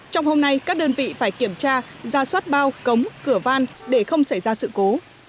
trong hôm nay các đơn vị phải kiểm tra ra soát bao cống cửa van để không xảy ra sự cố